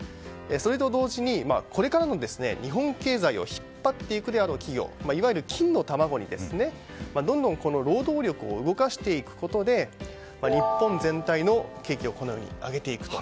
それと同時にこれからの日本経済を引っ張っていくであろう企業いわゆる金の卵にどんどん労働力を動かしていくことで日本全体の景気を上げていくと。